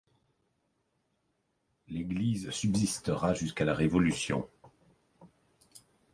L'église subsistera jusqu'à la Révolution.